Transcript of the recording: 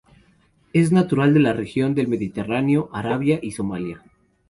Es natural de la región del Mediterráneo, Arabia y Somalía.